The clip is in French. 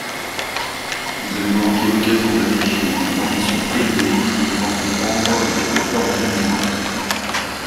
Vous avez manqué l’occasion d’afficher une ambition élevée et d’entreprendre des réformes exigeantes.